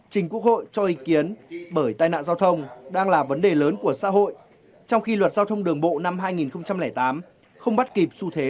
trình quốc hội cho ý kiến bởi tai nạn giao thông đang là vấn đề lớn của xã hội